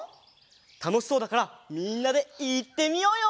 たのしそうだからみんなでいってみようよ！